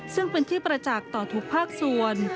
ซึ่งเป็นที่ประจักษ์ต่อทุกภาคส่วน